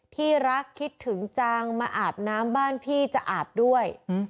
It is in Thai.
ที่รักคิดถึงจังมาอาบน้ำบ้านพี่จะอาบด้วย